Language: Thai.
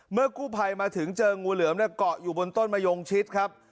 เมื่อกู้ภัยมาถึงเจองูเหลือมเกาะอยู่บนต้นมะยงชิดครับ